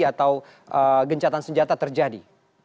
atau gencatan senjata terjadi